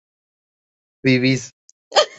vivís